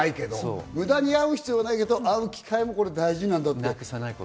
連絡事項はある必要はないけれど、会う機会も大事なんだって。